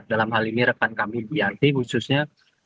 dalam hal ini rekan kami biarti khususnya